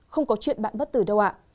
không có chuyện bạn bất tử đâu ạ